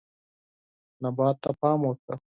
نبات ته پام وکړه.